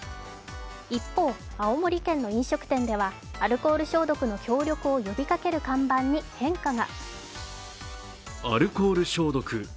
一方、青森県の飲食店ではアルコール消毒の協力を呼びかける看板に変化が。